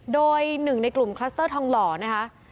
โดย๑ในกลุ่มคลัสเตอร์ทองหล่อนะครับ